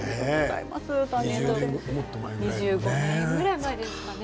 ２５年ぐらい前ですかね